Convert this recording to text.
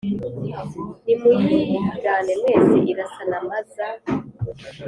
nimuyigane mwese irasa na maza.